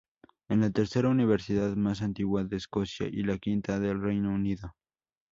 Es la tercera universidad más antigua de Escocia y la quinta del Reino Unido.